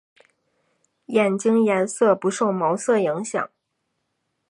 眼镜颜色不受毛色影响。